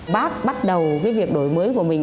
bác bắt đầu cái việc đổi mới của mình